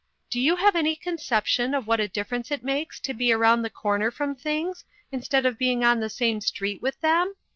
Do you have any conception of what a difference it makes to be around the corner from things, instead of being on the same street with them